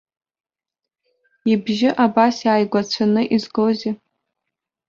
Ибжьы абас иааигәацәаны изгозеи?